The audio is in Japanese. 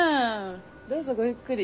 どうぞごゆっくり。